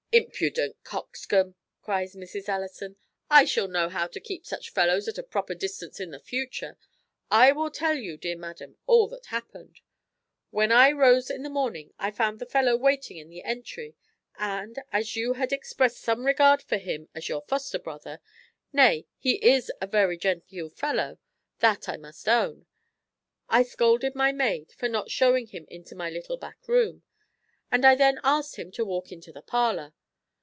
"Impudent coxcomb!" cries Mrs. Ellison. "I shall know how to keep such fellows at a proper distance for the future I will tell you, dear madam, all that happened. When I rose in the morning I found the fellow waiting in the entry; and, as you had exprest some regard for him as your foster brother nay, he is a very genteel fellow, that I must own I scolded my maid for not shewing him into my little back room; and I then asked him to walk into the parlour.